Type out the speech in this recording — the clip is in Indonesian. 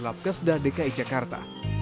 labkes dan dki jakarta